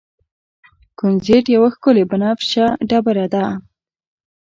کونزیټ یوه ښکلې بنفشه ډبره ده.